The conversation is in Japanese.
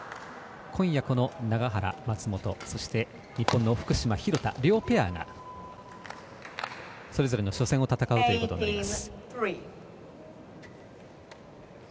今夜、永原、松本そして、日本のもう１ペア両ペアが、それぞれの初戦を戦うことになります。